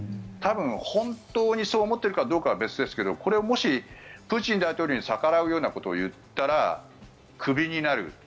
多分、本当にそう思っているかどうかは別ですけどこれがもしプーチン大統領に逆らうようなことを言ったらクビになる。